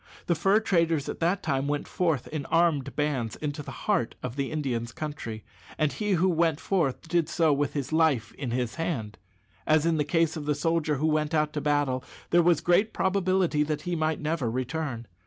The fur traders at that time went forth in armed bands into the heart of the Indians' country, and he who went forth did so "with his life in his hand." As in the case of the soldier who went out to battle, there was great probability that he might never return.